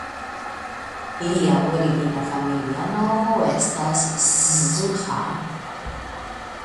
Lia origina familia nomo estis "Szluha".